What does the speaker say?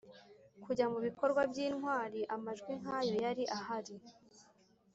kujya mubikorwa by'intwari; amajwi nk'ayo yari ahari